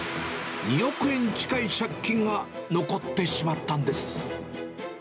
２億円近い借金が残ってしまったんです。